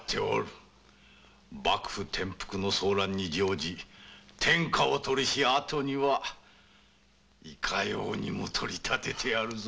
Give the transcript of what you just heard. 幕府転覆の騒乱に乗じ天下を取ったらいかようにも取り立てるぞ。